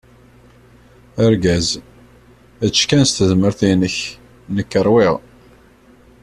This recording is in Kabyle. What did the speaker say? Argaz: Ečč kan s tezmert-inek, nekk ṛwiγ.